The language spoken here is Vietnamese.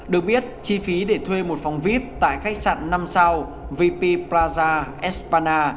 được biết chi phí để thuê một phòng vip tại khách sạn năm sao vp plaza espana